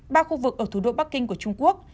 ba khu vực ở thủ đô bắc kinh của trung quốc